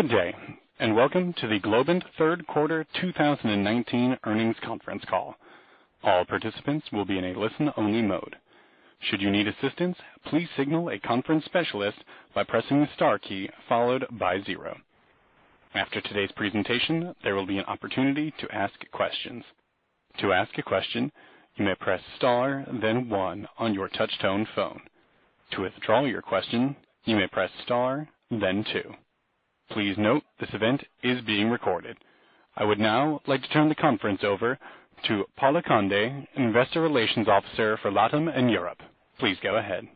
Good day, and welcome to the Globant third quarter 2019 earnings conference call. All participants will be in a listen-only mode. Should you need assistance, please signal a conference specialist by pressing the star key followed by zero. After today's presentation, there will be an opportunity to ask questions. To ask a question, you may press star then one on your touch tone phone. To withdraw your question, you may press star then two. Please note this event is being recorded. I would now like to turn the conference over to Paula Conde, Investor Relations Officer for LATAM and Europe. Please go ahead.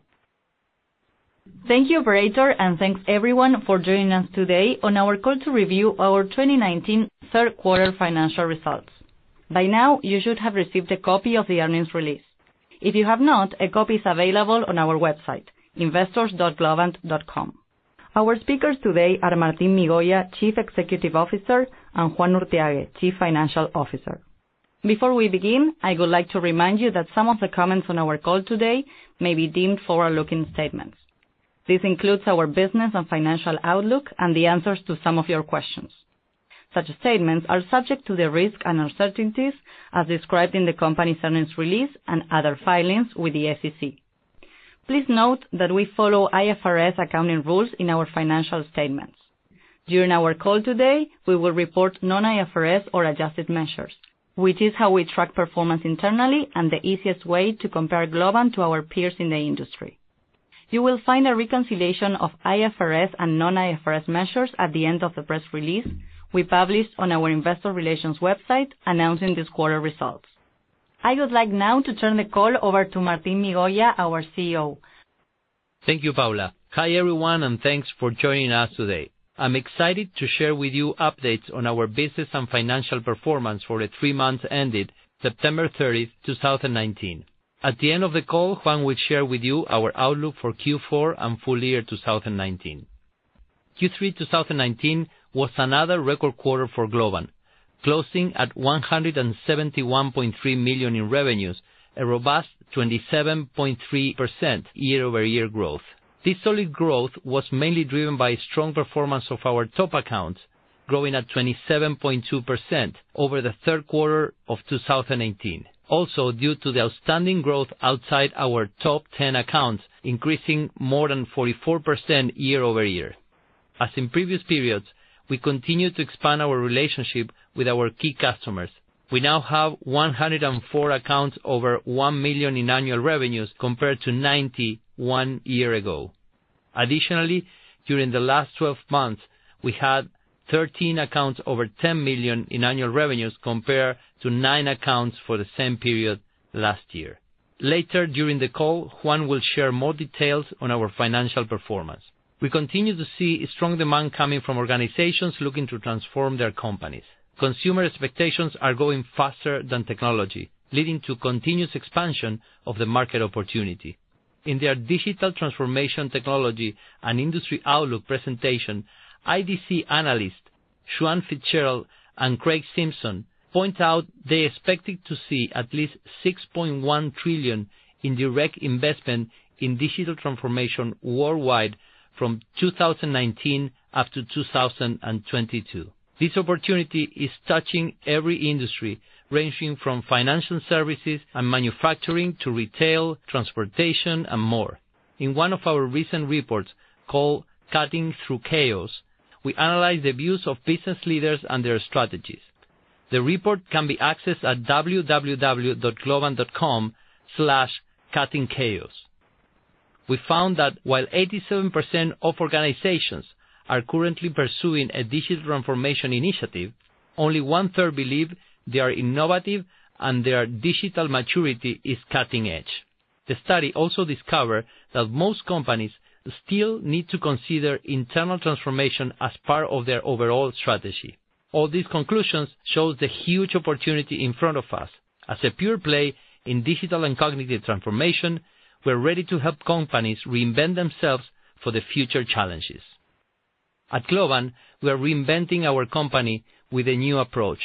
Thank you, operator. Thanks everyone for joining us today on our call to review our 2019 third quarter financial results. By now, you should have received a copy of the earnings release. If you have not, a copy is available on our website, investors.globant.com. Our speakers today are Martin Migoya, Chief Executive Officer, and Juan Urthiague, Chief Financial Officer. Before we begin, I would like to remind you that some of the comments on our call today may be deemed forward-looking statements. This includes our business and financial outlook and the answers to some of your questions. Such statements are subject to the risks and uncertainties as described in the company's earnings release and other filings with the SEC. Please note that we follow IFRS accounting rules in our financial statements. During our call today, we will report non-IFRS or adjusted measures, which is how we track performance internally and the easiest way to compare Globant to our peers in the industry. You will find a reconciliation of IFRS and non-IFRS measures at the end of the press release we published on our investor relations website announcing this quarter results. I would like now to turn the call over to Martin Migoya, our CEO. Thank you, Paula. Hi, everyone, and thanks for joining us today. I'm excited to share with you updates on our business and financial performance for the three months ended September 30th, 2019. Juan will share with you our outlook for Q4 and full year 2019. Q3 2019 was another record quarter for Globant, closing at $171.3 million in revenues, a robust 27.3% year-over-year growth. This solid growth was mainly driven by strong performance of our top accounts, growing at 27.2% over the third quarter of 2018. Also, due to the outstanding growth outside our top 10 accounts, increasing more than 44% year-over-year. As in previous periods, we continue to expand our relationship with our key customers. We now have 104 accounts over $1 million in annual revenues, compared to 90 one year ago. Additionally, during the last 12 months, we had 13 accounts over $10 million in annual revenues, compared to nine accounts for the same period last year. Later during the call, Juan will share more details on our financial performance. We continue to see strong demand coming from organizations looking to transform their companies. Consumer expectations are growing faster than technology, leading to continuous expansion of the market opportunity. In their digital transformation technology and industry outlook presentation, IDC analysts Sean Fitzgerald and Craig Simpson point out they expected to see at least $6.1 trillion in direct investment in digital transformation worldwide from 2019 up to 2022. This opportunity is touching every industry, ranging from financial services and manufacturing to retail, transportation, and more. In one of our recent reports called Cutting Through Chaos, we analyze the views of business leaders and their strategies. The report can be accessed at www.globant.com/cuttingchaos. We found that while 87% of organizations are currently pursuing a digital transformation initiative, only one-third believe they are innovative and their digital maturity is cutting edge. The study also discovered that most companies still need to consider internal transformation as part of their overall strategy. All these conclusions show the huge opportunity in front of us. As a pure play in digital and cognitive transformation, we're ready to help companies reinvent themselves for the future challenges. At Globant, we are reinventing our company with a new approach.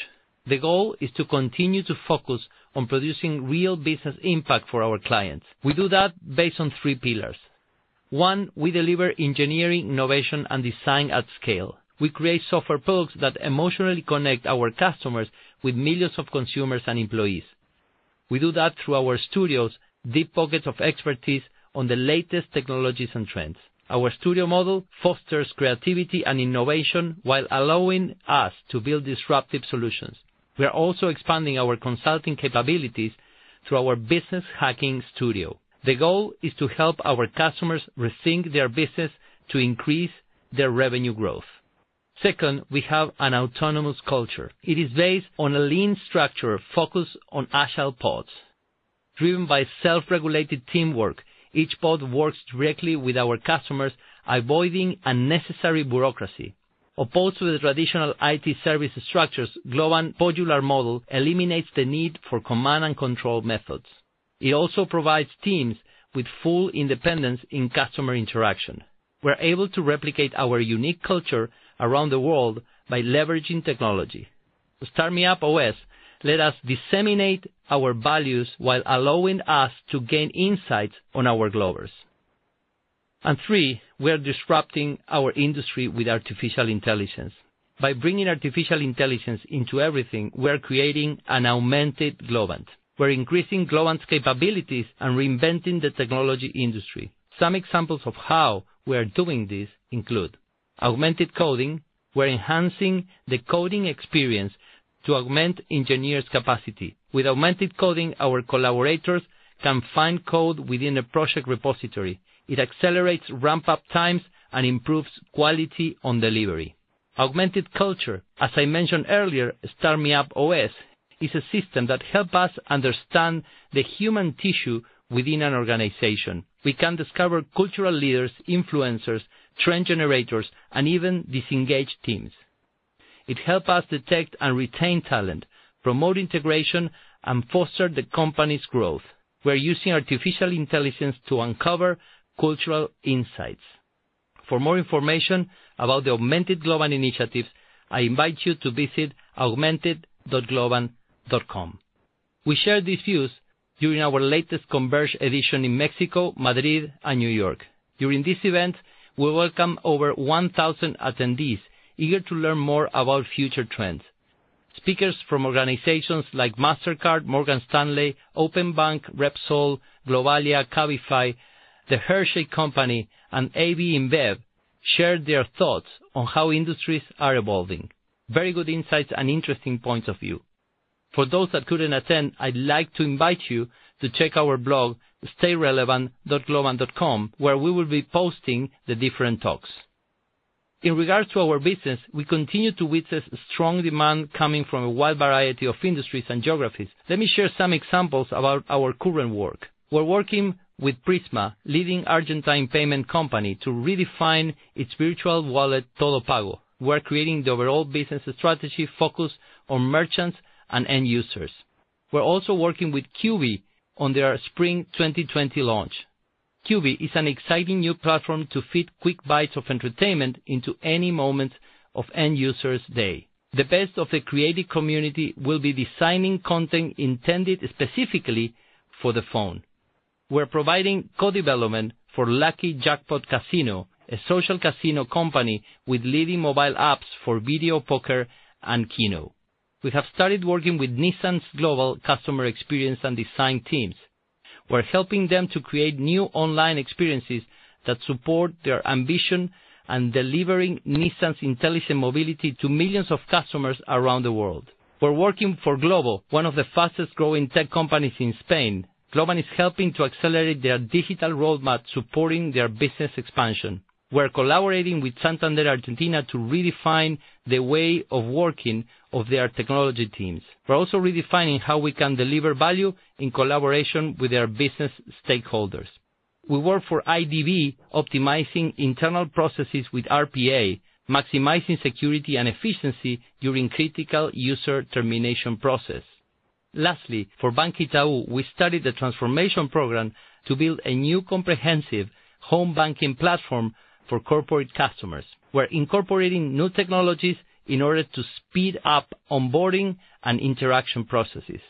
The goal is to continue to focus on producing real business impact for our clients. We do that based on three pillars. One, we deliver engineering, innovation, and design at scale. We create software products that emotionally connect our customers with millions of consumers and employees. We do that through our studios, deep pockets of expertise on the latest technologies and trends. Our studio model fosters creativity and innovation while allowing us to build disruptive solutions. We are also expanding our consulting capabilities through our Business Hacking Studio. The goal is to help our customers rethink their business to increase their revenue growth. Second, we have an autonomous culture. It is based on a lean structure focused on agile pods. Driven by self-regulated teamwork, each pod works directly with our customers, avoiding unnecessary bureaucracy. Opposed to the traditional IT service structures, Globant podular model eliminates the need for command and control methods. It also provides teams with full independence in customer interaction. We're able to replicate our unique culture around the world by leveraging technology. StarMeUp OS let us disseminate our values while allowing us to gain insights on our Globers. Three, we are disrupting our industry with artificial intelligence. By bringing artificial intelligence into everything, we are creating an augmented Globant. We're increasing Globant's capabilities and reinventing the technology industry. Some examples of how we are doing this include Augmented Coding. We're enhancing the coding experience to augment engineers' capacity. With Augmented Coding, our collaborators can find code within a project repository. It accelerates ramp-up times and improves quality on delivery. augmented culture, as I mentioned earlier, StarMeUp OS is a system that help us understand the human tissue within an organization. We can discover cultural leaders, influencers, trend generators, and even disengaged teams. It help us detect and retain talent, promote integration, and foster the company's growth. We're using artificial intelligence to uncover cultural insights. For more information about the Augmented Globant initiatives, I invite you to visit augmented.globant.com. We shared these views during our latest Converge edition in Mexico, Madrid, and New York. During these events, we welcome over 1,000 attendees eager to learn more about future trends. Speakers from organizations like Mastercard, Morgan Stanley, Openbank, Repsol, Globalia, Cabify, The Hershey Company, and AB InBev shared their thoughts on how industries are evolving. Very good insights and interesting points of view. For those that couldn't attend, I'd like to invite you to check our blog, stayrelevant.globant.com, where we will be posting the different talks. In regards to our business, we continue to witness strong demand coming from a wide variety of industries and geographies. Let me share some examples about our current work. We're working with Prisma, leading Argentine payment company, to redefine its virtual wallet, Todo Pago. We're creating the overall business strategy focused on merchants and end users. We're also working with Quibi on their spring 2020 launch. Quibi is an exciting new platform to fit quick bites of entertainment into any moment of end user's day. The best of the creative community will be designing content intended specifically for the phone. We're providing co-development for Lucky Jackpot Casino, a social casino company with leading mobile apps for video poker and keno. We have started working with Nissan's global customer experience and design teams. We're helping them to create new online experiences that support their ambition and delivering Nissan's intelligent mobility to millions of customers around the world. We're working for Glovo, one of the fastest-growing tech companies in Spain. Globant is helping to accelerate their digital roadmap, supporting their business expansion. We're collaborating with Santander Argentina to redefine the way of working of their technology teams. We're also redefining how we can deliver value in collaboration with their business stakeholders. We work for IDB, optimizing internal processes with RPA, maximizing security and efficiency during critical user termination process. Lastly, for Banco Itaú, we started the transformation program to build a new comprehensive home banking platform for corporate customers. We're incorporating new technologies in order to speed up onboarding and interaction processes.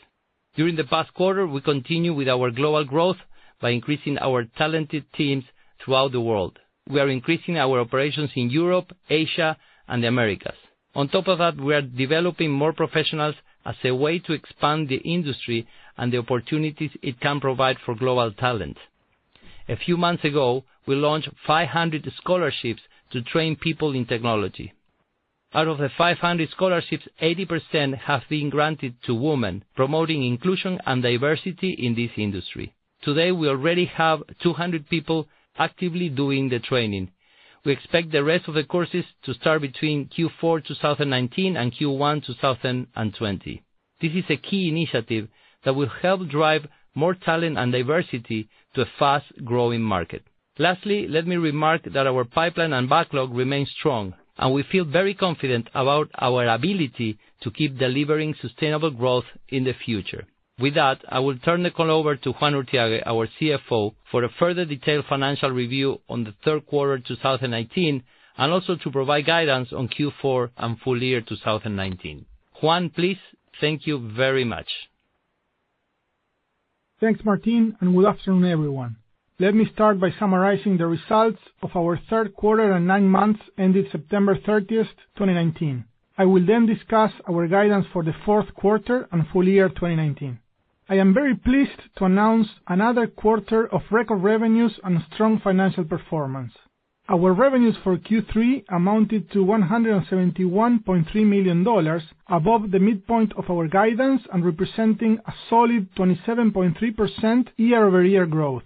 During the past quarter, we continue with our global growth by increasing our talented teams throughout the world. We are increasing our operations in Europe, Asia, and the Americas. On top of that, we are developing more professionals as a way to expand the industry and the opportunities it can provide for global talent. A few months ago, we launched 500 scholarships to train people in technology. Out of the 500 scholarships, 80% have been granted to women, promoting inclusion and diversity in this industry. Today, we already have 200 people actively doing the training. We expect the rest of the courses to start between Q4 2019 and Q1 2020. This is a key initiative that will help drive more talent and diversity to a fast-growing market. Lastly, let me remark that our pipeline and backlog remain strong, and we feel very confident about our ability to keep delivering sustainable growth in the future. With that, I will turn the call over to Juan Urthiague, our CFO, for a further detailed financial review on the third quarter 2019, and also to provide guidance on Q4 and full year 2019. Juan, please. Thank you very much. Thanks, Martin. Good afternoon, everyone. Let me start by summarizing the results of our third quarter and nine months ended September 30th, 2019. I will discuss our guidance for the fourth quarter and full year 2019. I am very pleased to announce another quarter of record revenues and strong financial performance. Our revenues for Q3 amounted to $171.3 million, above the midpoint of our guidance and representing a solid 27.3% year-over-year growth.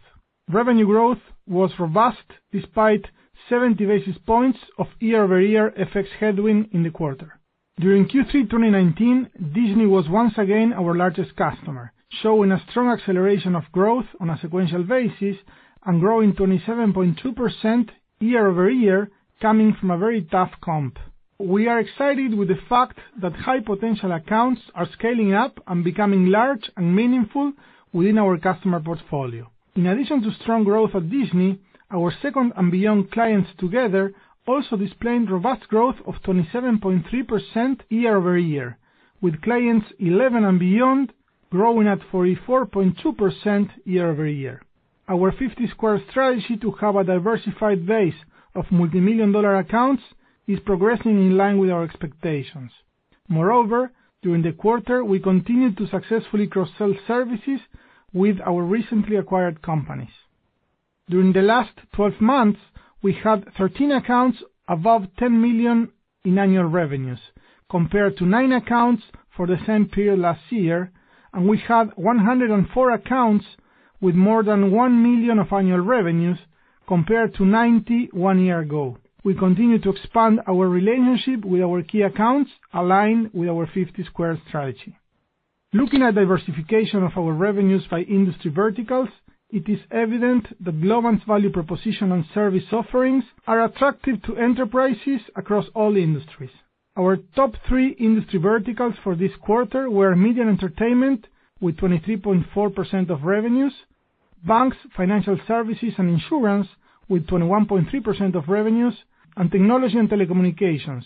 Revenue growth was robust despite 70 basis points of year-over-year FX headwind in the quarter. During Q3 2019, Disney was once again our largest customer, showing a strong acceleration of growth on a sequential basis and growing 27.2% year-over-year, coming from a very tough comp. We are excited with the fact that high-potential accounts are scaling up and becoming large and meaningful within our customer portfolio. In addition to strong growth at Disney, our Second & Beyond clients together also displayed robust growth of 27.3% year-over-year. With clients 11 and beyond growing at 44.2% year-over-year. Our 50 Squared strategy to have a diversified base of multimillion-dollar accounts is progressing in line with our expectations. Moreover, during the quarter, we continued to successfully cross-sell services with our recently acquired companies. During the last 12 months, we had 13 accounts above $10 million in annual revenues, compared to nine accounts for the same period last year. We had 104 accounts with more than $1 million of annual revenues, compared to 90 one year ago. We continue to expand our relationship with our key accounts, aligned with our 50 Squared strategy. Looking at diversification of our revenues by industry verticals, it is evident that Globant's value proposition and service offerings are attractive to enterprises across all industries. Our top three industry verticals for this quarter were media and entertainment, with 23.4% of revenues. Banks, financial services and insurance with 21.3% of revenues. Technology and telecommunications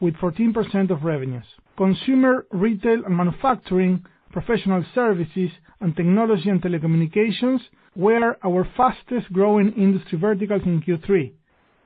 with 14% of revenues. Consumer, retail and manufacturing, professional services, and technology and telecommunications were our fastest growing industry verticals in Q3,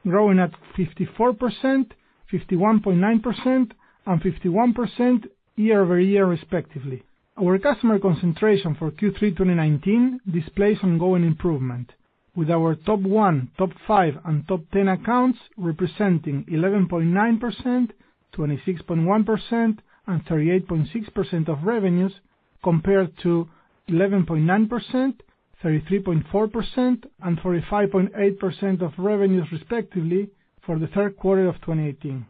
growing at 54%, 51.9%, and 51% year-over-year respectively. Our customer concentration for Q3 2019 displays ongoing improvement, with our top 1, top 5, and top 10 accounts representing 11.9%, 26.1%, and 38.6% of revenues, compared to 11.9%, 33.4%, and 45.8% of revenues respectively for the third quarter of 2018.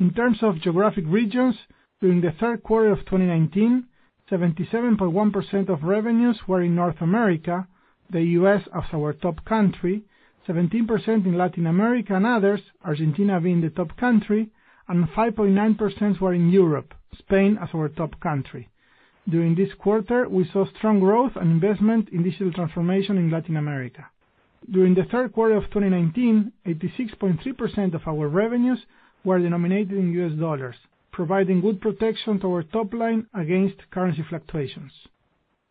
In terms of geographic regions, during the third quarter of 2019, 77.1% of revenues were in North America, the U.S. as our top country, 17% in Latin America and others, Argentina being the top country, and 5.9% were in Europe, Spain as our top country. During this quarter, we saw strong growth and investment in digital transformation in Latin America. During the third quarter of 2019, 86.3% of our revenues were denominated in US dollars, providing good protection to our top line against currency fluctuations.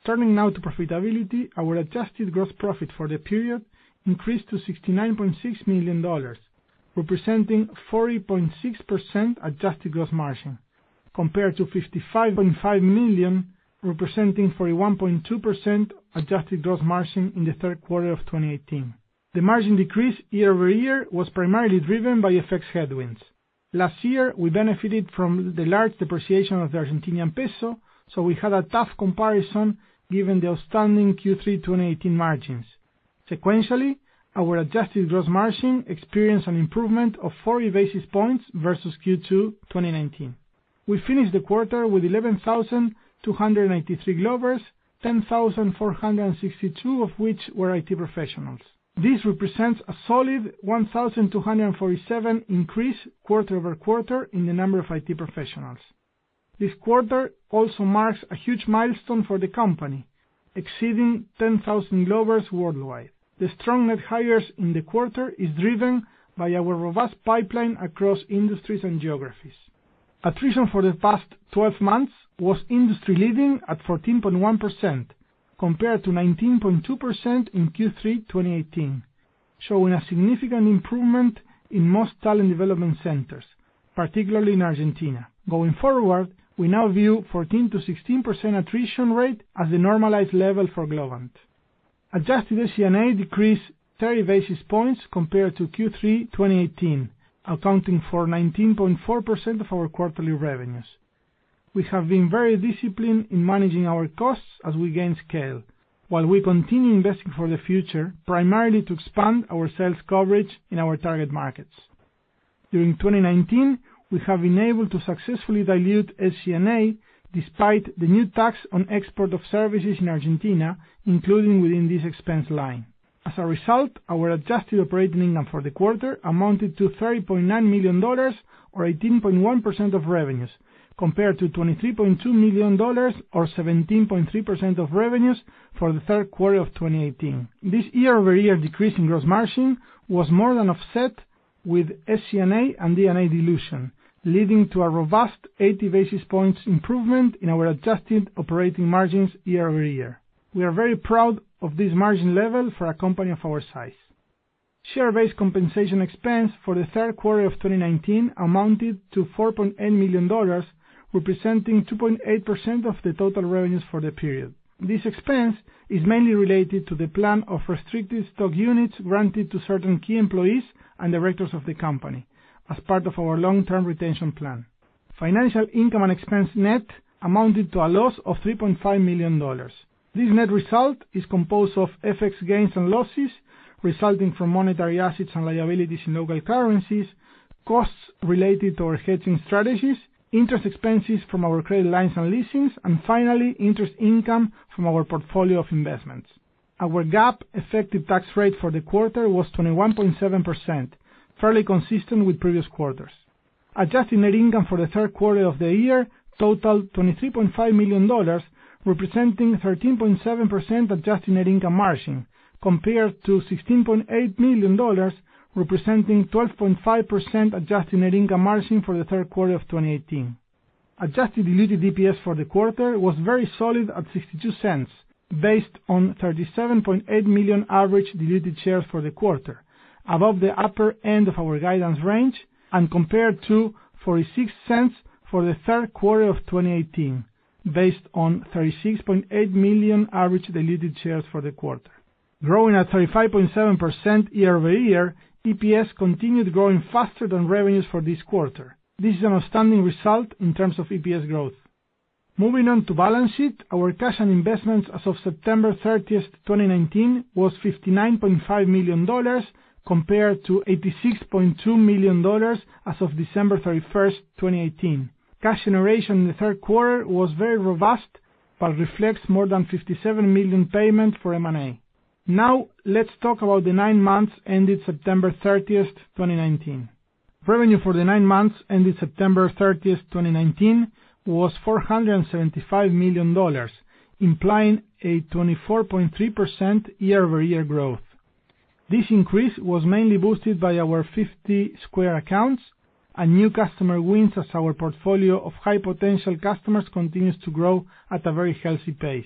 Turning now to profitability, our adjusted gross profit for the period increased to $69.6 million, representing 40.6% adjusted gross margin, compared to $55.5 million, representing 41.2% adjusted gross margin in the third quarter of 2018. The margin decrease year-over-year was primarily driven by FX headwinds. Last year, we benefited from the large depreciation of the Argentinian peso, so we had a tough comparison given the outstanding Q3 2018 margins. Sequentially, our adjusted gross margin experienced an improvement of 40 basis points versus Q2 2019. We finished the quarter with 11,293 Globers, 10,462 of which were IT professionals. This represents a solid 1,247 increase quarter-over-quarter in the number of IT professionals. This quarter also marks a huge milestone for the company, exceeding 10,000 Globers worldwide. The strong net hires in the quarter is driven by our robust pipeline across industries and geographies. Attrition for the past 12 months was industry-leading at 14.1%, compared to 19.2% in Q3 2018, showing a significant improvement in most talent development centers, particularly in Argentina. Going forward, we now view 14%-16% attrition rate as the normalized level for Globant. Adjusted SG&A decreased 30 basis points compared to Q3 2018, accounting for 19.4% of our quarterly revenues. We have been very disciplined in managing our costs as we gain scale, while we continue investing for the future, primarily to expand our sales coverage in our target markets. During 2019, we have been able to successfully dilute SG&A despite the new tax on export of services in Argentina, including within this expense line. As a result, our adjusted operating income for the quarter amounted to $30.9 million, or 18.1% of revenues, compared to $23.2 million, or 17.3% of revenues for the third quarter of 2018. This year-over-year decrease in gross margin was more than offset with SG&A and D&A dilution, leading to a robust 80 basis points improvement in our adjusted operating margins year-over-year. We are very proud of this margin level for a company of our size. Share-based compensation expense for the third quarter of 2019 amounted to $4.8 million, representing 2.8% of the total revenues for the period. This expense is mainly related to the plan of restricted stock units granted to certain key employees and directors of the company as part of our long-term retention plan. Financial income and expense net amounted to a loss of $3.5 million. This net result is composed of FX gains and losses resulting from monetary assets and liabilities in local currencies, costs related to our hedging strategies, interest expenses from our credit lines and leases, and finally, interest income from our portfolio of investments. Our GAAP effective tax rate for the quarter was 21.7%, fairly consistent with previous quarters. Adjusted net income for the third quarter of the year totaled $23.5 million, representing 13.7% adjusted net income margin, compared to $16.8 million, representing 12.5% adjusted net income margin for the third quarter of 2018. Adjusted diluted EPS for the quarter was very solid at $0.62, based on 37.8 million average diluted shares for the quarter, above the upper end of our guidance range and compared to $0.46 for the third quarter of 2018, based on 36.8 million average diluted shares for the quarter. Growing at 35.7% year-over-year, EPS continued growing faster than revenues for this quarter. This is an outstanding result in terms of EPS growth. Moving on to balance sheet, our cash and investments as of September 30th, 2019, was $59.5 million, compared to $86.2 million as of December 31st, 2018. Cash generation in the third quarter was very robust, reflects more than $57 million payment for M&A. Let's talk about the nine months ended September 30th, 2019. Revenue for the nine months ended September 30th, 2019, was $475 million, implying a 24.3% year-over-year growth. This increase was mainly boosted by our 50 Squared accounts and new customer wins, as our portfolio of high-potential customers continues to grow at a very healthy pace.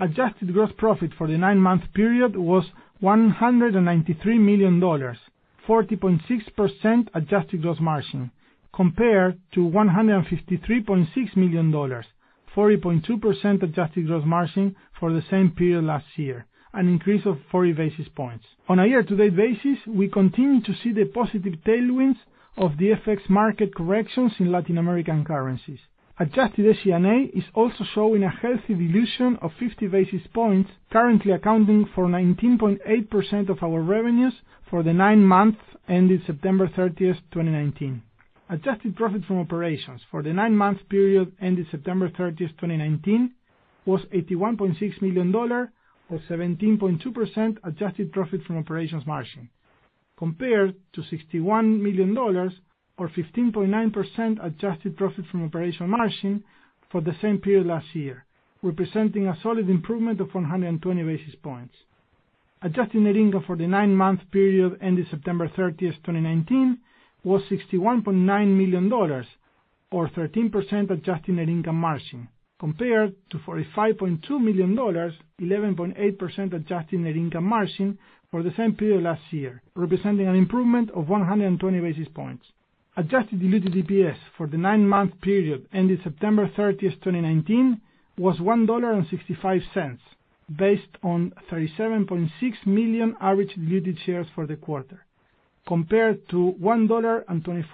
Adjusted gross profit for the nine-month period was $193 million, 40.6% adjusted gross margin, compared to $153.6 million, 40.2% adjusted gross margin for the same period last year, an increase of 40 basis points. On a year-to-date basis, we continue to see the positive tailwinds of the FX market corrections in Latin American currencies. Adjusted HCNA is also showing a healthy dilution of 50 basis points, currently accounting for 19.8% of our revenues for the nine months ended September 30th, 2019. Adjusted profit from operations for the nine-month period ended September 30th, 2019, was $81.6 million, or 17.2% adjusted profit from operations margin, compared to $61 million, or 15.9% adjusted profit from operational margin for the same period last year, representing a solid improvement of 120 basis points. Adjusted net income for the nine-month period ended September 30th, 2019, was $61.9 million, or 13% adjusted net income margin, compared to $45.2 million, 11.8% adjusted net income margin for the same period last year, representing an improvement of 120 basis points. Adjusted diluted EPS for the nine-month period ended September 30th, 2019, was $1.65, based on 37.6 million average diluted shares for the quarter, compared to $1.24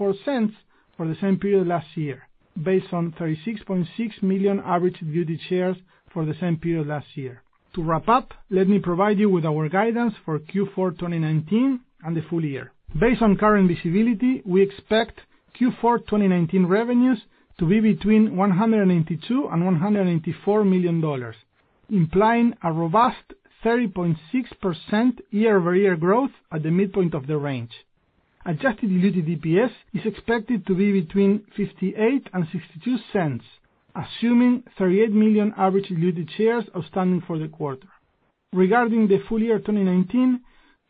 for the same period last year, based on 36.6 million average diluted shares for the same period last year. To wrap up, let me provide you with our guidance for Q4 2019 and the full year. Based on current visibility, we expect Q4 2019 revenues to be between $182 million and $184 million, implying a robust 30.6% year-over-year growth at the midpoint of the range. Adjusted diluted EPS is expected to be between $0.58 and $0.62, assuming 38 million average diluted shares outstanding for the quarter. Regarding the full year 2019,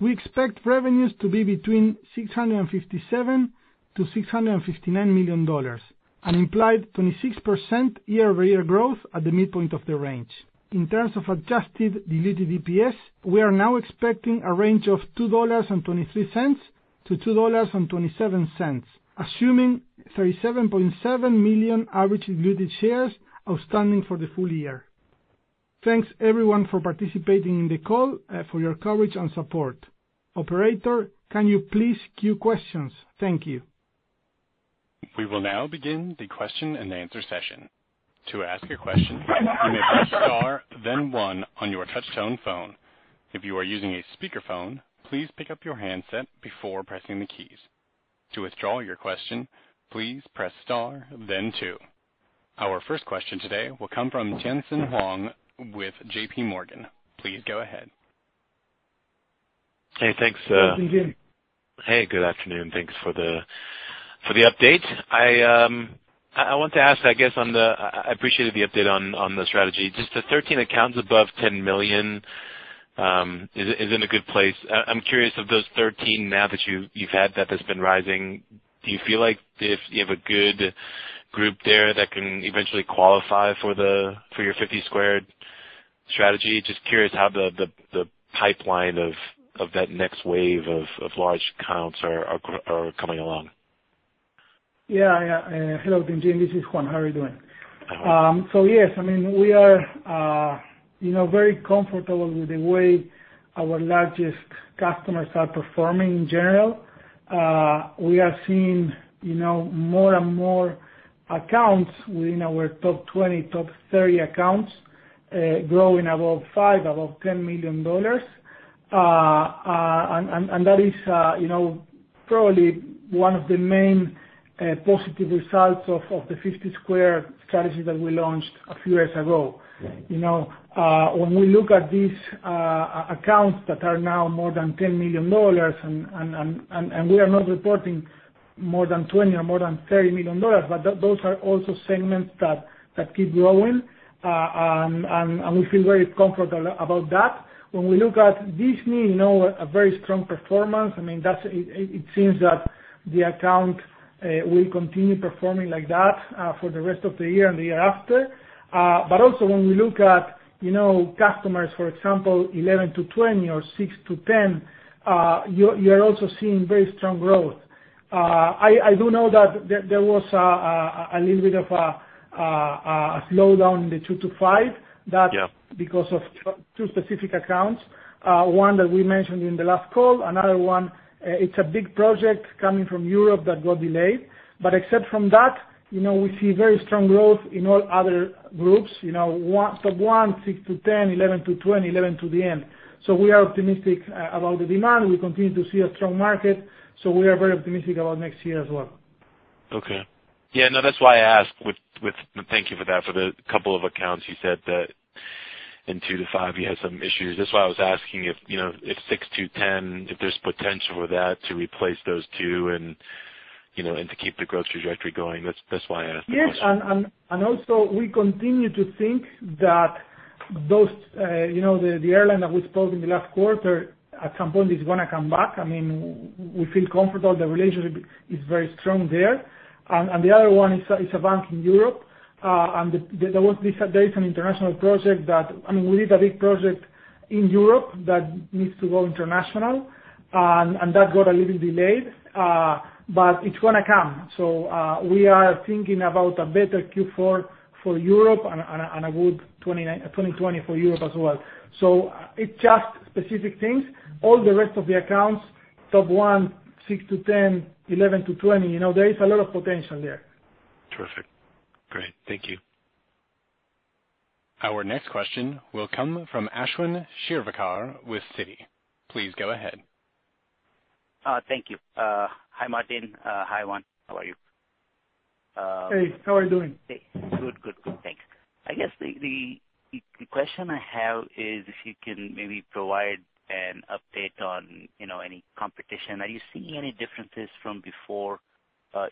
we expect revenues to be between $657 million to $659 million, an implied 26% year-over-year growth at the midpoint of the range. In terms of adjusted diluted EPS, we are now expecting a range of $2.23-$2.27, assuming 37.7 million average diluted shares outstanding for the full year. Thanks everyone for participating in the call, for your coverage and support. Operator, can you please queue questions? Thank you. We will now begin the question-and-answer session. To ask a question, you may press star then one on your touch tone phone. If you are using a speakerphone, please pick up your handset before pressing the keys. To withdraw your question, please press star then two. Our first question today will come from Tien-tsin Huang with J.P. Morgan. Please go ahead. Hey, thanks. Tien-tsin. Hey, good afternoon. Thanks for the update. I want to ask, I appreciated the update on the strategy, just the 13 accounts above $10 million is in a good place. I'm curious, of those 13 now that you've had that has been rising, do you feel like you have a good group there that can eventually qualify for your 50 Squared strategy? Just curious how the pipeline of that next wave of large accounts are coming along. Yeah. Hello, Tien-tsin, this is Juan. How are you doing? Hi. Yes, we are very comfortable with the way our largest customers are performing in general. We are seeing more and more accounts within our top 20, top 30 accounts, growing above $5 million, above $10 million. That is probably one of the main positive results of the 50 Squared strategies that we launched a few years ago. Right. When we look at these accounts that are now more than $10 million, and we are not reporting more than $20 million or more than $30 million, but those are also segments that keep growing, and we feel very comfortable about that. When we look at this means a very strong performance, it seems that the account will continue performing like that for the rest of the year and the year after. Also when we look at customers, for example, 11 to 20 or six to 10, you're also seeing very strong growth. I do know that there was a little bit of a slowdown in the two to five. Yeah. That because of two specific accounts. One that we mentioned in the last call. Another one, it's a big project coming from Europe that got delayed. Except from that, we see very strong growth in all other groups. Top 1, 6 to 10, 11 to 20, 11 to the end. We are optimistic about the demand. We continue to see a strong market, so we are very optimistic about next year as well. Okay. Yeah. No, that's why I asked. Thank you for that. For the couple of accounts you said that in two to five you had some issues. That's why I was asking if six to 10, if there's potential for that to replace those two and to keep the growth trajectory going. That's why I asked the question. Yes, also, we continue to think that the airline that we spoke in the last quarter, at some point is going to come back. We feel comfortable the relationship is very strong there. The other one is a bank in Europe. There is an international project. We need a big project in Europe that needs to go international, and that got a little delayed, but it's gonna come. We are thinking about a better Q4 for Europe and a good 2020 for Europe as well. It's just specific things. All the rest of the accounts, top one, six to 10, 11 to 20, there is a lot of potential there. Terrific. Great. Thank you. Our next question will come from Ashwin Shirvaikar with Citi. Please go ahead. Thank you. Hi, Martin. Hi, Juan. How are you? Hey, how are you doing? Good. Thanks. I guess the question I have is if you can maybe provide an update on any competition. Are you seeing any differences from before,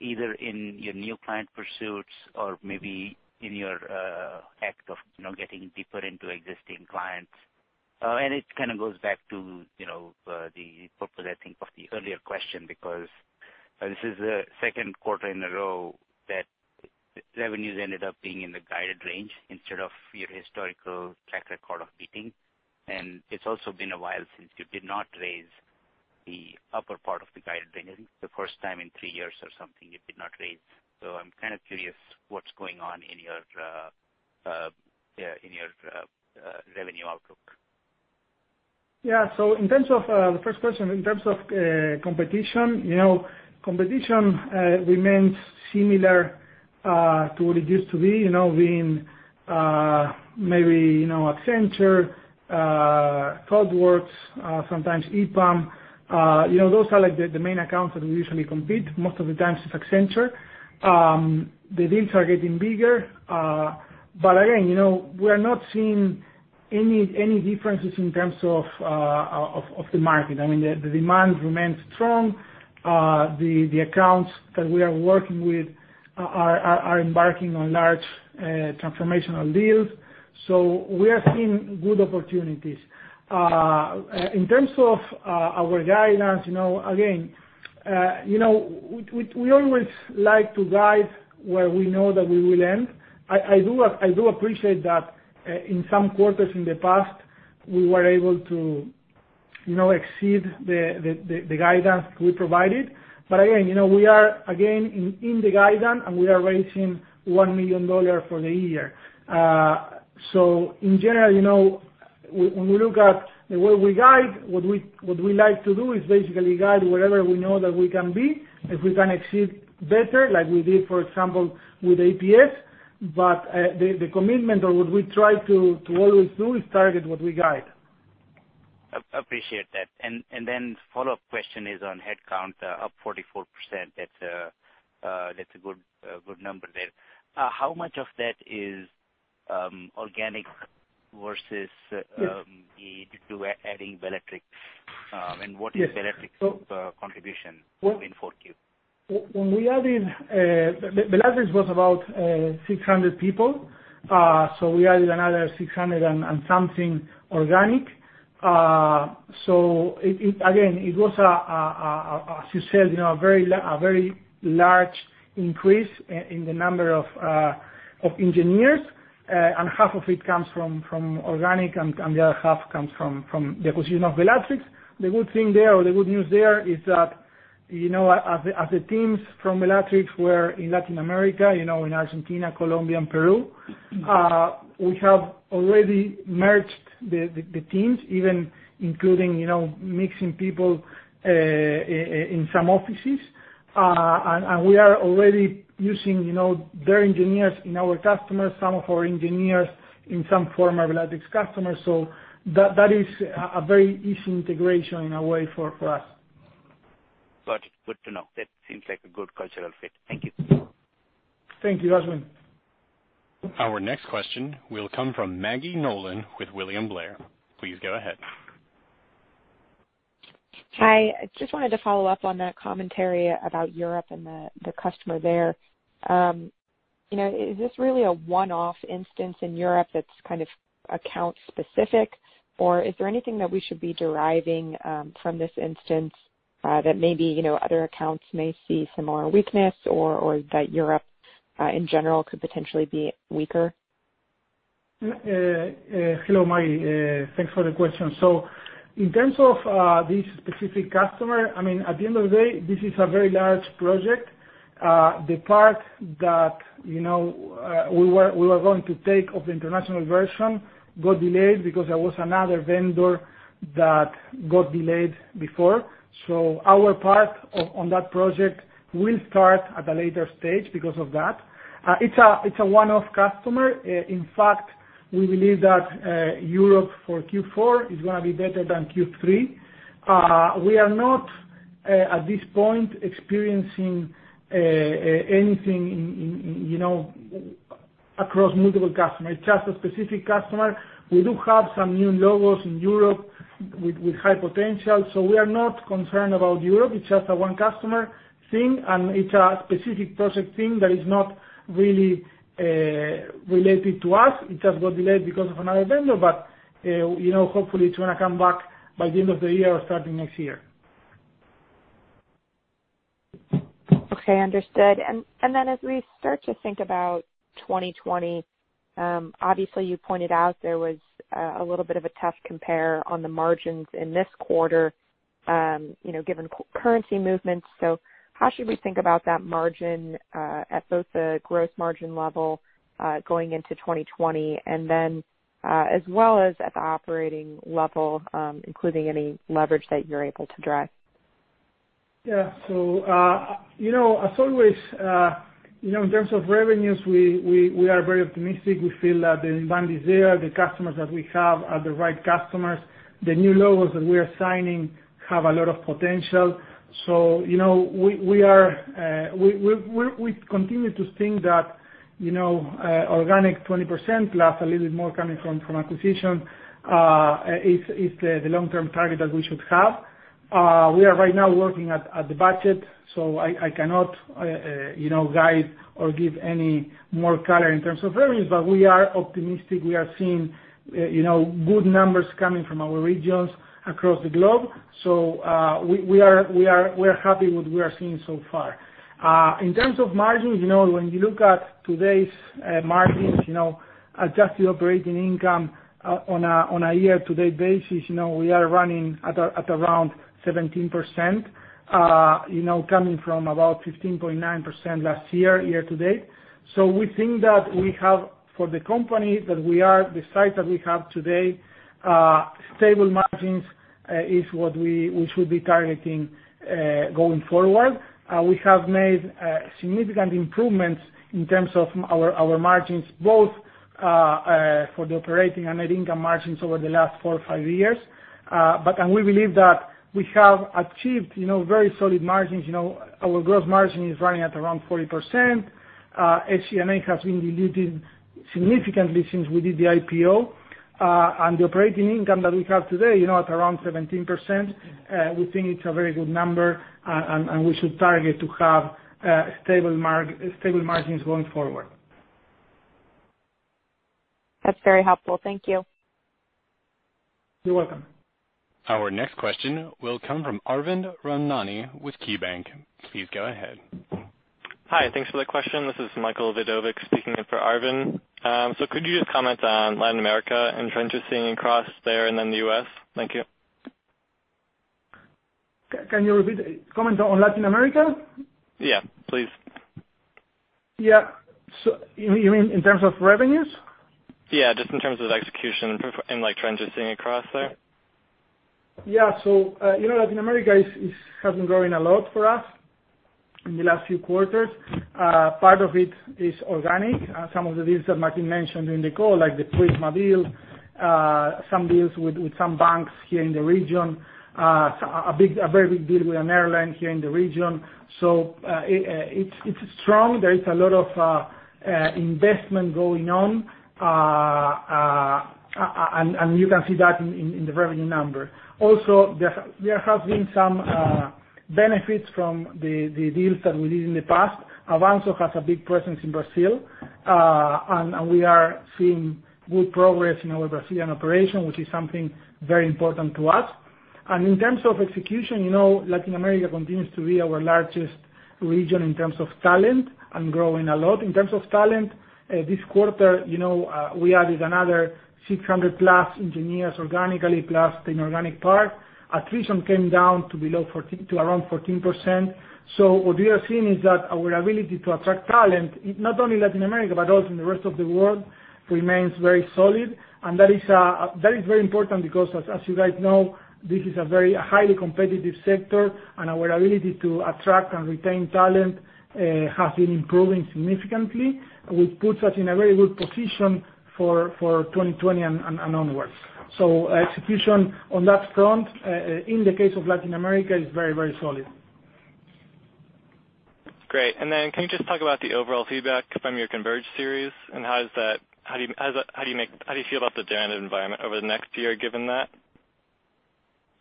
either in your new client pursuits or maybe in your act of getting deeper into existing clients? It kind of goes back to the purpose, I think, of the earlier question, because this is the second quarter in a row that revenues ended up being in the guided range instead of your historical track record of beating. It's also been a while since you did not raise the upper part of the guided range, the first time in three years or something, you did not raise. I'm kind of curious what's going on in your revenue outlook. In terms of the first question, in terms of competition remains similar to what it used to be, being maybe Accenture, Thoughtworks, sometimes EPAM. Those are the main accounts that we usually compete. Most of the times it's Accenture. The deals are getting bigger. Again, we are not seeing any differences in terms of the market. The demand remains strong. The accounts that we are working with are embarking on large transformational deals. We are seeing good opportunities. In terms of our guidance, again, we always like to guide where we know that we will end. I do appreciate that in some quarters in the past, we were able to exceed the guidance we provided. Again, we are again in the guidance, and we are raising $1 million for the year. In general, when we look at the way we guide, what we like to do is basically guide wherever we know that we can be, if we can exceed better, like we did, for example, with EPS. The commitment or what we try to always do is target what we guide. Appreciate that. Follow-up question is on headcount, up 44%. That's a good number there. How much of that is organic versus? Yes the adding Belatrix Yes What is Belatrix contribution in 4Q? When Belatrix was about 600 people. We added another 600 and something organic. Again, it was, as you said, a very large increase in the number of engineers, and half of it comes from organic and the other half comes from the acquisition of Belatrix. The good thing there or the good news there is that as the teams from Belatrix were in Latin America, in Argentina, Colombia, and Peru, we have already merged the teams, even including mixing people in some offices. We are already using their engineers in our customers, some of our engineers in some former Belatrix customers. That is a very easy integration in a way for us. Got you. Good to know. That seems like a good cultural fit. Thank you. Thank you, Ashwin. Our next question will come from Maggie Nolan with William Blair. Please go ahead. Hi. Just wanted to follow up on that commentary about Europe and the customer there. Is this really a one-off instance in Europe that's kind of account specific, or is there anything that we should be deriving from this instance that maybe other accounts may see some more weakness or that Europe, in general, could potentially be weaker? Hello, Maggie. Thanks for the question. In terms of this specific customer, at the end of the day, this is a very large project. The part that we were going to take of the international version got delayed because there was another vendor that got delayed before. Our part on that project will start at a later stage because of that. It's a one-off customer. In fact, we believe that Europe for Q4 is going to be better than Q3. We are not, at this point, experiencing anything across multiple customers. It's just a specific customer. We do have some new logos in Europe with high potential. We are not concerned about Europe. It's just a one-customer thing, and it's a specific project thing that is not really related to us. It just got delayed because of another vendor, but hopefully, it's going to come back by the end of the year or starting next year. Okay, understood. As we start to think about 2020, obviously you pointed out there was a little bit of a tough compare on the margins in this quarter given currency movements. How should we think about that margin at both the gross margin level going into 2020 and then as well as at the operating level including any leverage that you're able to drive? Yeah. As always, in terms of revenues, we are very optimistic. We feel that the demand is there, the customers that we have are the right customers. The new logos that we are signing have a lot of potential. We continue to think that organic 20% plus a little bit more coming from acquisition is the long-term target that we should have. We are right now working at the budget, so I cannot guide or give any more color in terms of revenues. We are optimistic. We are seeing good numbers coming from our regions across the globe. We are happy with what we are seeing so far. In terms of margins, when you look at today's margins, adjusted operating income on a year-to-date basis, we are running at around 17%, coming from about 15.9% last year-to-date. We think that we have, for the company, that the size that we have today, stable margins is what we should be targeting going forward. We have made significant improvements in terms of our margins, both for the operating and net income margins over the last four or five years. We believe that we have achieved very solid margins. Our gross margin is running at around 40%. HCNA has been diluted significantly since we did the IPO. The operating income that we have today at around 17%, we think it's a very good number, and we should target to have stable margins going forward. That's very helpful. Thank you. You're welcome. Our next question will come from Arvind Ramnani with KeyBanc. Please go ahead. Hi. Thanks for the question. This is Michael Vidovic speaking in for Arvind. Could you just comment on Latin America and transitioning across there and then the U.S.? Thank you. Can you repeat? Comment on Latin America? Yeah, please. Yeah. You mean in terms of revenues? Yeah, just in terms of execution and like transitioning across there. Latin America has been growing a lot for us in the last few quarters. Part of it is organic. Some of the deals that Martin mentioned in the call, like the Prisma deal, some deals with some banks here in the region, a very big deal with an airline here in the region. It's strong. There is a lot of investment going on. You can see that in the revenue numbers. Also, there have been some benefits from the deals that we did in the past. Avanxo has a big presence in Brazil. We are seeing good progress in our Brazilian operation, which is something very important to us. In terms of execution, Latin America continues to be our largest region in terms of talent and growing a lot in terms of talent. This quarter, we added another 600-plus engineers organically, plus the inorganic part. Attrition came down to around 14%. What we are seeing is that our ability to attract talent, not only Latin America, but also in the rest of the world, remains very solid. That is very important because, as you guys know, this is a very highly competitive sector, and our ability to attract and retain talent has been improving significantly, which puts us in a very good position for 2020 and onwards. Execution on that front, in the case of Latin America, is very solid. Great. Then can you just talk about the overall feedback from your Converge series, and how do you feel about the demand environment over the next year given that?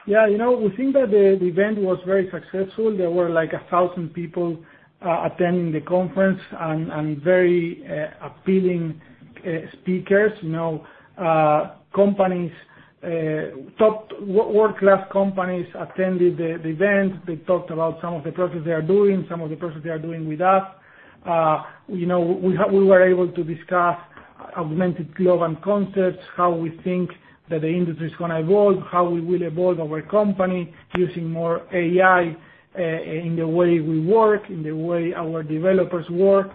Yeah, we think that the event was very successful. There were 1,000 people attending the conference, and very appealing speakers. Top world-class companies attended the event. They talked about some of the projects they are doing, some of the projects they are doing with us. We were able to discuss augmented Globant concepts, how we think that the industry is going to evolve, how we will evolve our company using more AI, in the way we work, in the way our developers work.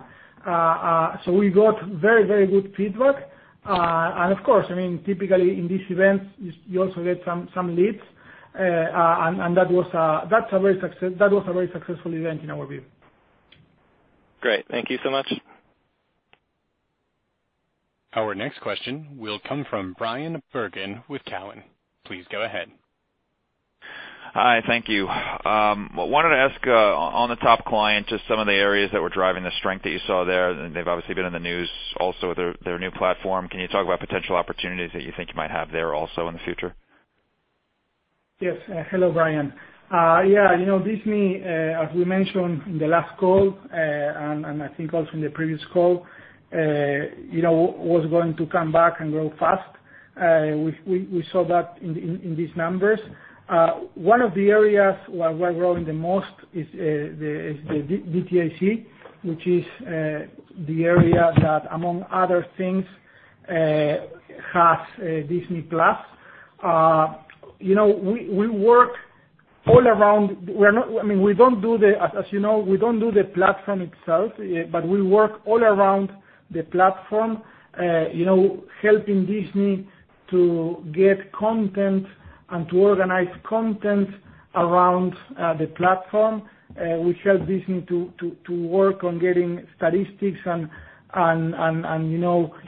We got very good feedback. Of course, typically in these events, you also get some leads, and that was a very successful event in our view. Great. Thank you so much. Our next question will come from Bryan Bergin with Cowen. Please go ahead. Hi. Thank you. I wanted to ask on the top client, just some of the areas that were driving the strength that you saw there. They've obviously been in the news also with their new platform. Can you talk about potential opportunities that you think you might have there also in the future? Yes. Hello, Bryan. Disney, as we mentioned in the last call, and I think also in the previous call, was going to come back and grow fast. We saw that in these numbers. One of the areas where we're growing the most is the DTCI, which is the area that, among other things, has Disney+. As you know, we don't do the platform itself, we work all around the platform, helping Disney to get content and to organize content around the platform. We help Disney to work on getting statistics and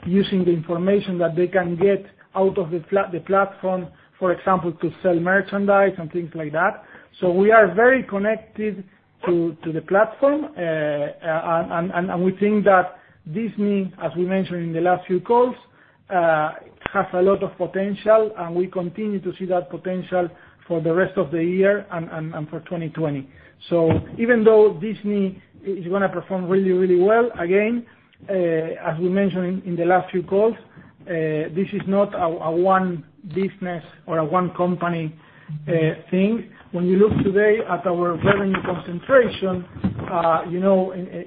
using the information that they can get out of the platform, for example, to sell merchandise and things like that. We are very connected to the platform, and we think that Disney, as we mentioned in the last few calls, has a lot of potential, and we continue to see that potential for the rest of the year and for 2020. Even though Disney is gonna perform really well, again, as we mentioned in the last few calls, this is not a one business or a one company thing. When you look today at our revenue concentration,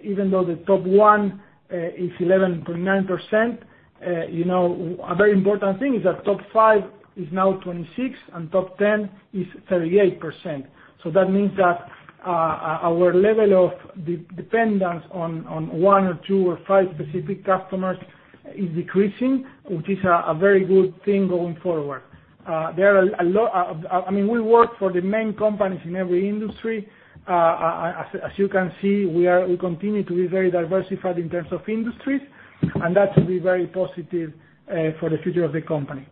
even though the top one is 11.9%, a very important thing is that top five is now 26% and top 10 is 38%. That means that our level of dependence on one or two or five specific customers is decreasing, which is a very good thing going forward. We work for the main companies in every industry. As you can see, we continue to be very diversified in terms of industries. That should be very positive for the future of the company.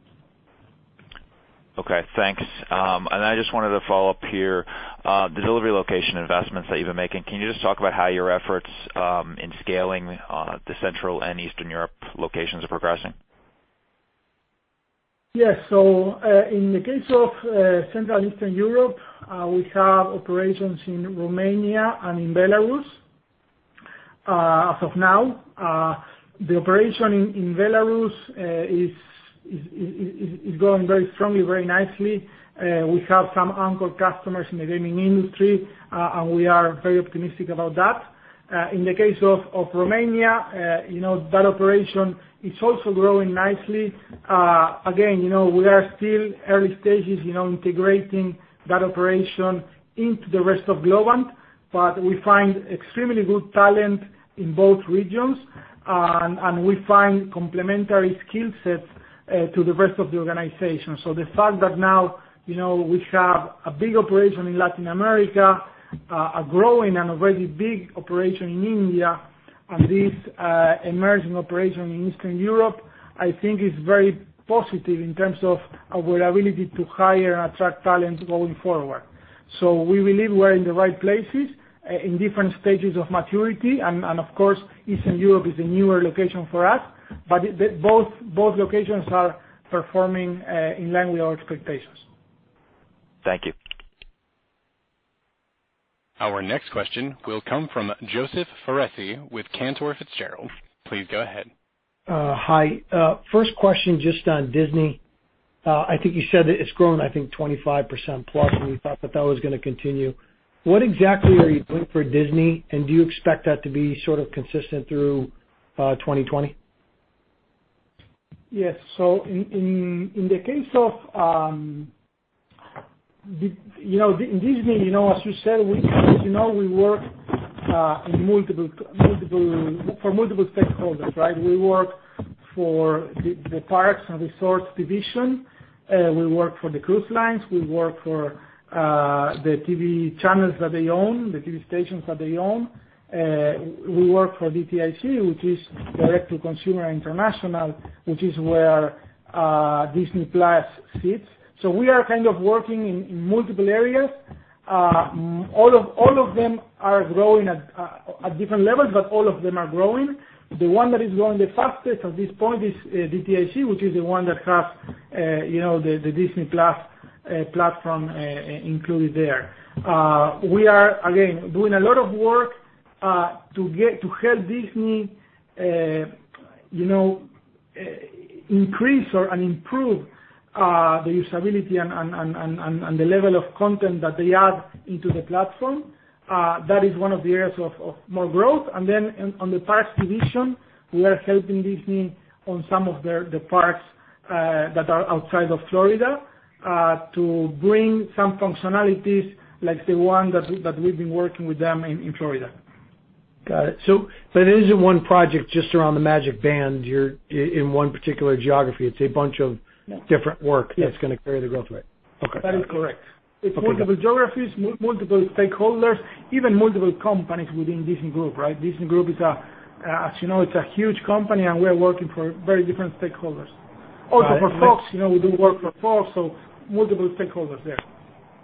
Okay, thanks. I just wanted to follow up here, the delivery location investments that you've been making, can you just talk about how your efforts in scaling the Central and Eastern Europe locations are progressing? Yes. In the case of Central and Eastern Europe, we have operations in Romania and in Belarus. As of now, the operation in Belarus is going very strongly, very nicely. We have some anchor customers in the gaming industry, and we are very optimistic about that. In the case of Romania, that operation is also growing nicely. Again, we are still early stages integrating that operation into the rest of Globant, but we find extremely good talent in both regions, and we find complementary skill sets to the rest of the organization. The fact that now we have a big operation in Latin America, a growing and a very big operation in India, and this emerging operation in Eastern Europe, I think is very positive in terms of our ability to hire and attract talent going forward. We believe we're in the right places in different stages of maturity, and of course, Eastern Europe is a newer location for us, but both locations are performing in line with our expectations. Thank you. Our next question will come from Joseph Foresi with Cantor Fitzgerald. Please go ahead. Hi. First question just on Disney. I think you said that it's grown, I think 25% plus. We thought that that was going to continue. What exactly are you doing for Disney? Do you expect that to be sort of consistent through 2020? Yes. In the case of Disney, as you said, we work for multiple stakeholders, right? We work for the parks and resorts division, we work for the cruise lines, we work for the TV channels that they own, the TV stations that they own. We work for DTCI, which is Direct-to-Consumer & International, which is where Disney+ sits. We are kind of working in multiple areas. All of them are growing at different levels, but all of them are growing. The one that is growing the fastest at this point is DTCI, which is the one that has the Disney+ platform included there. We are, again, doing a lot of work to help Disney increase or improve the usability and the level of content that they add into the platform. That is one of the areas of more growth. On the parks division, we are helping Disney on some of the parks that are outside of Florida, to bring some functionalities like the one that we've been working with them in Florida. Got it. It isn't one project just around the MagicBand in one particular geography. No different work- Yes that's going to carry the growth rate. Okay. That is correct. Okay. Got it. It's multiple geographies, multiple stakeholders, even multiple companies within Disney Group, right? Disney Group, as you know, it's a huge company, and we are working for very different stakeholders. Also for Fox, we do work for Fox, so multiple stakeholders there.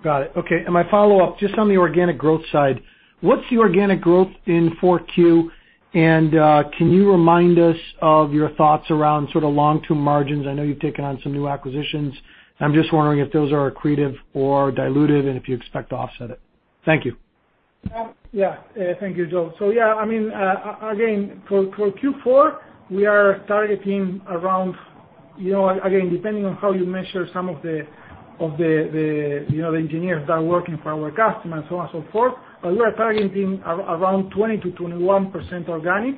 Got it. Okay. My follow-up, just on the organic growth side, what's the organic growth in 4Q? Can you remind us of your thoughts around long-term margins? I know you've taken on some new acquisitions. I'm just wondering if those are accretive or diluted, and if you expect to offset it. Thank you. Thank you, Joe. Again, for Q4, we are targeting around, depending on how you measure some of the engineers that are working for our customers, so on so forth, but we are targeting around 20%-21% organic.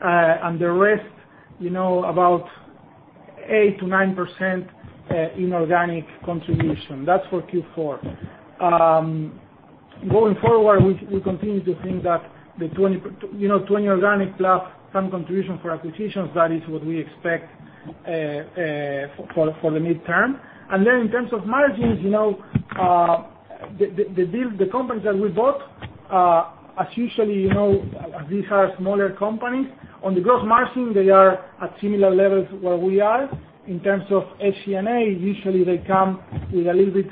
The rest, about 8%-9% inorganic contribution. That's for Q4. Going forward, we continue to think that the 20% organic plus some contribution for acquisitions, that is what we expect for the midterm. In terms of margins, the companies that we bought, as usually these are smaller companies. On the gross margin, they are at similar levels where we are. In terms of SG&A, usually they come with a little bit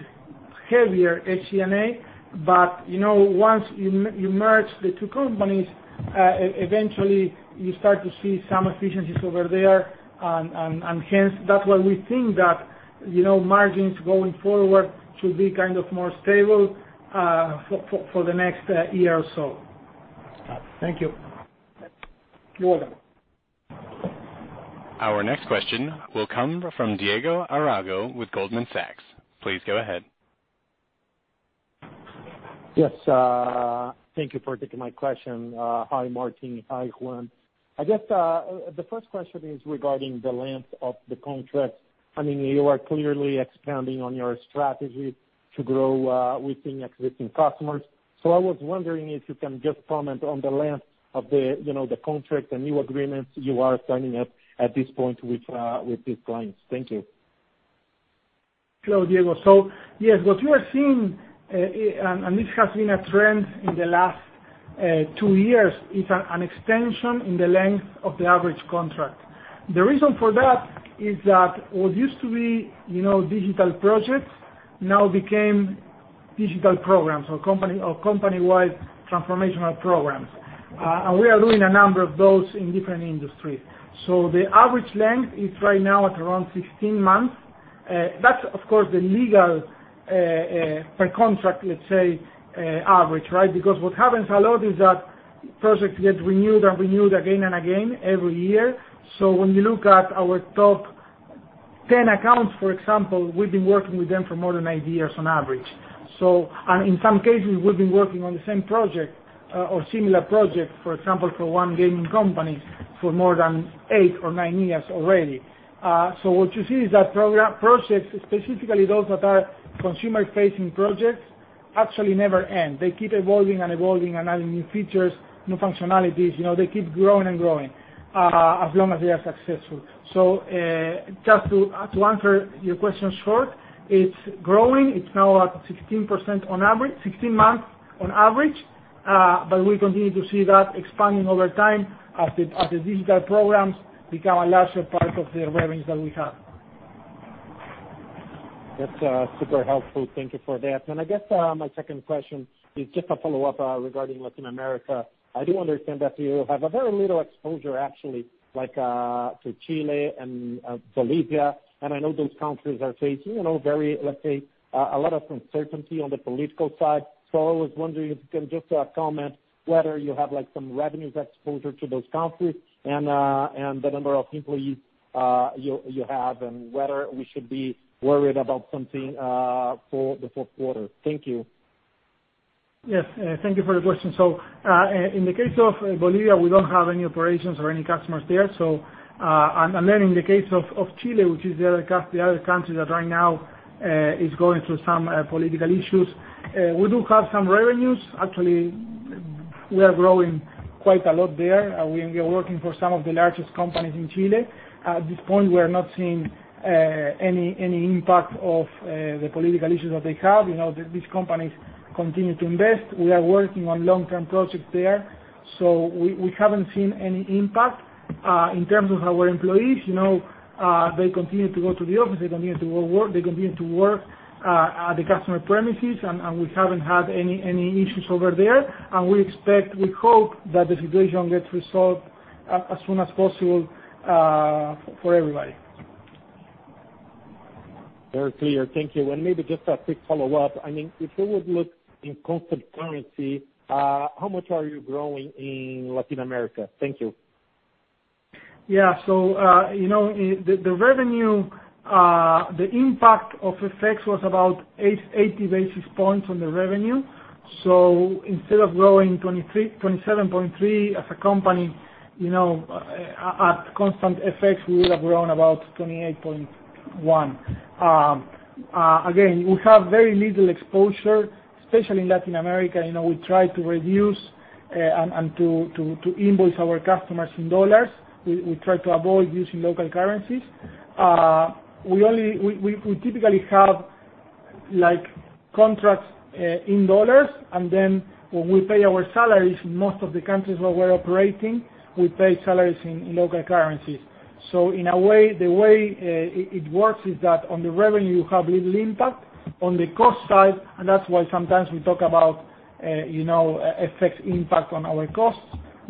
heavier SG&A. Once you merge the two companies, eventually you start to see some efficiencies over there. Hence, that's why we think that margins going forward should be more stable for the next year or so. Got it. Thank you. You're welcome. Our next question will come from Diego Aragao with Goldman Sachs. Please go ahead. Yes. Thank you for taking my question. Hi, Martin. Hi, Juan. I guess the first question is regarding the length of the contracts. You are clearly expanding on your strategy to grow within existing customers. I was wondering if you can just comment on the length of the contracts and new agreements you are signing at this point with these clients. Thank you. Hello, Diego. Yes, what we are seeing, and this has been a trend in the last two years, is an extension in the length of the average contract. The reason for that is that what used to be digital projects now became digital programs or company-wide transformational programs. We are doing a number of those in different industries. The average length is right now at around 16 months. That's, of course, the legal per contract, let's say, average, right? Because what happens a lot is that projects get renewed and renewed again and again, every year. When you look at our top 10 accounts, for example, we've been working with them for more than eight years on average. In some cases, we've been working on the same project or similar project, for example, for one gaming company, for more than eight or nine years already. What you see is that projects, specifically those that are consumer-facing projects, actually never end. They keep evolving and evolving and adding new features, new functionalities. They keep growing and growing as long as they are successful. Just to answer your question short, it's growing. It's now at 16 months on average. We continue to see that expanding over time as the digital programs become a larger part of the revenues that we have. That's super helpful. Thank you for that. I guess my second question is just a follow-up regarding Latin America. I do understand that you have a very little exposure, actually, to Chile and Bolivia. I know those countries are facing a lot of uncertainty on the political side. I was wondering if you can just comment whether you have some revenues exposure to those countries and the number of employees you have, and whether we should be worried about something for the fourth quarter. Thank you. Thank you for the question. In the case of Bolivia, we don't have any operations or any customers there. In the case of Chile, which is the other country that right now is going through some political issues, we do have some revenues. Actually, we are growing quite a lot there. We are working for some of the largest companies in Chile. At this point, we are not seeing any impact of the political issues that they have. These companies continue to invest. We are working on long-term projects there. We haven't seen any impact. In terms of our employees, they continue to go to the office, they continue to work. They continue to work at the customer premises, we haven't had any issues over there. We expect, we hope, that the situation gets resolved as soon as possible for everybody. Very clear. Thank you. Maybe just a quick follow-up. If we would look in constant currency, how much are you growing in Latin America? Thank you. Yeah. The revenue, the impact of FX was about 80 basis points on the revenue. Instead of growing 27.3% as a company, at constant FX, we would have grown about 28.1%. Again, we have very little exposure, especially in Latin America. We try to reduce and to invoice our customers in $. We try to avoid using local currencies. We typically have contracts in $, and then when we pay our salaries, in most of the countries where we're operating, we pay salaries in local currencies. In a way, the way it works is that on the revenue, you have little impact. On the cost side, that's why sometimes we talk about FX impact on our costs.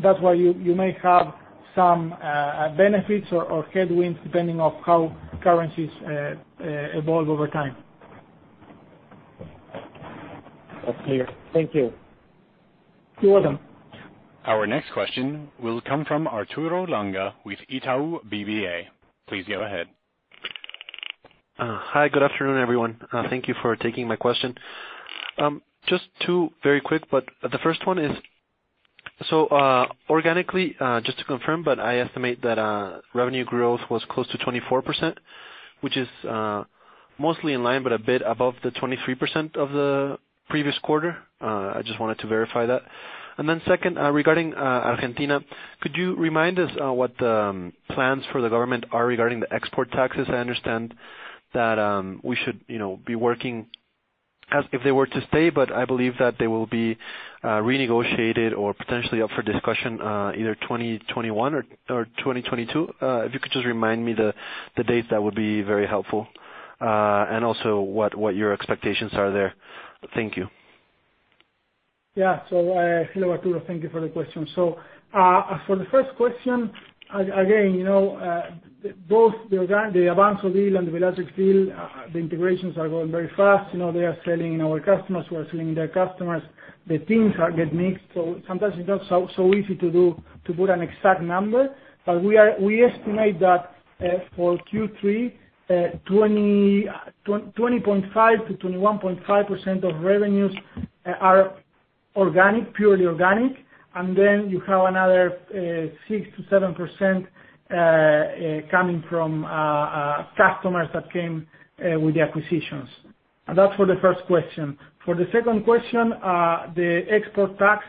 That's why you may have some benefits or headwinds depending on how currencies evolve over time. That's clear. Thank you. You're welcome. Our next question will come from Arturo Langa with Itaú BBA. Please go ahead. Hi. Good afternoon, everyone. Thank you for taking my question. Just two very quick, but the first one is, organically, just to confirm, but I estimate that revenue growth was close to 24%, which is mostly in line, but a bit above the 23% of the previous quarter. I just wanted to verify that. Regarding Argentina, could you remind us what the plans for the government are regarding the export taxes? I understand that we should be working as if they were to stay, but I believe that they will be renegotiated or potentially up for discussion either 2021 or 2022. If you could just remind me the dates, that would be very helpful. Also what your expectations are there. Thank you. Hello, Arturo. Thank you for the question. For the first question, again, both the Avanxo deal and the Belatrix deal, the integrations are going very fast. They are selling our customers, we are selling their customers. The teams get mixed. Sometimes it's not so easy to do to put an exact number. We estimate that for Q3, 20.5%-21.5% of revenues are organic, purely organic, and then you have another 6%-7% coming from customers that came with the acquisitions. That's for the first question. For the second question, the export tax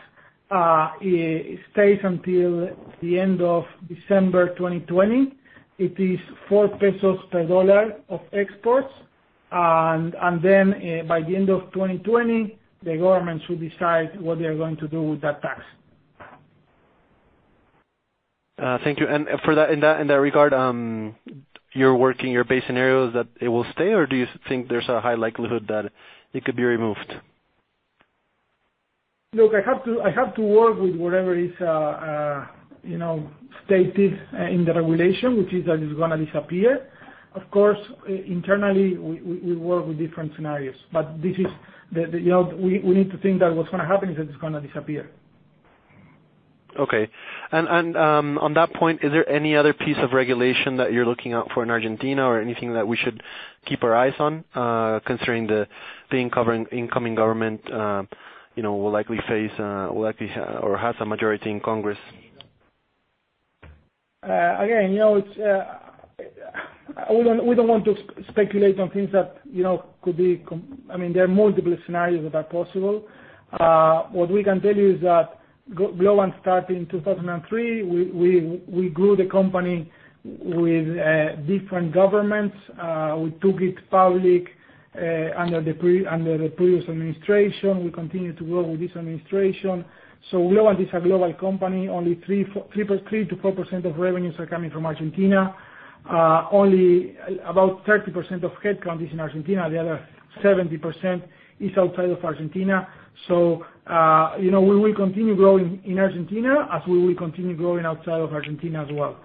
stays until the end of December 2020. It is 4 pesos per USD of exports. By the end of 2020, the government should decide what they're going to do with that tax. Thank you. In that regard, you're working your base scenarios that it will stay, or do you think there's a high likelihood that it could be removed? Look, I have to work with whatever is stated in the regulation, which is that it is going to disappear. Of course, internally, we work with different scenarios. We need to think that what is going to happen is that it is going to disappear. Okay. On that point, is there any other piece of regulation that you're looking out for in Argentina or anything that we should keep our eyes on concerning the incoming government will likely face or has a majority in Congress? We don't want to speculate on things that could be. There are multiple scenarios that are possible. What we can tell you is that Globant started in 2003. We grew the company with different governments. We took it public under the previous administration. We continue to grow with this administration. Globant is a global company. Only 3%-4% of revenues are coming from Argentina. Only about 30% of headcount is in Argentina. The other 70% is outside of Argentina. We will continue growing in Argentina as we will continue growing outside of Argentina as well.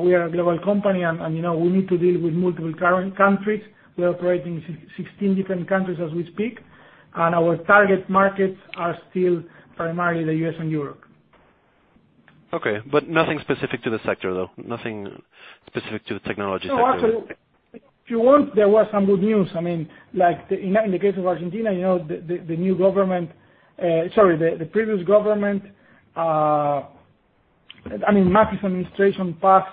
We are a global company, and we need to deal with multiple countries. We operate in 16 different countries as we speak, and our target markets are still primarily the U.S. and Europe. Okay. Nothing specific to the sector, though. Nothing specific to the technology sector. No, actually, if you want, there was some good news. In the case of Argentina, the new government-- Sorry, the previous government, Macri's administration passed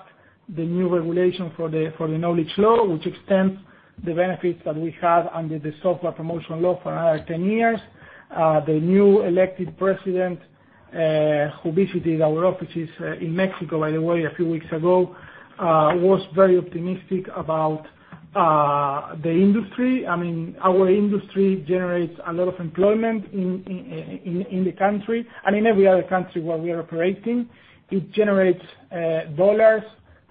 the new regulation for the Knowledge Economy Law, which extends the benefits that we have under the software promotion law for another 10 years. The new elected president, who visited our offices in Mexico, by the way, a few weeks ago, was very optimistic about the industry. Our industry generates a lot of employment in the country and in every other country where we are operating. It generates dollars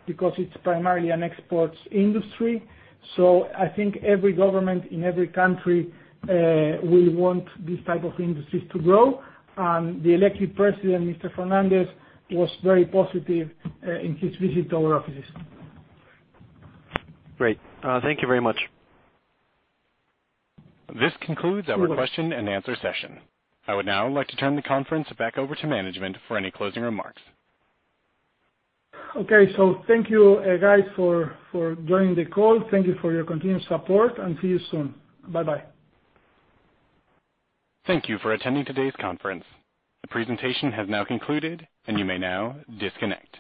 because it's primarily an exports industry. I think every government in every country will want these type of industries to grow. The elected president, Mr. Fernandez was very positive in his visit to our offices. Great. Thank you very much. This concludes our question and answer session. I would now like to turn the conference back over to management for any closing remarks. Okay, thank you guys for joining the call. Thank you for your continued support, see you soon. Bye-bye. Thank you for attending today's conference. The presentation has now concluded, and you may now disconnect.